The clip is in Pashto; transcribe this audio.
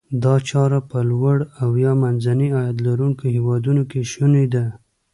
دا چاره په لوړ او یا منځني عاید لرونکو هیوادونو کې شوني ده.